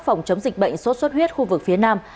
phòng chống dịch bệnh suốt suốt huyết khu vực phía nam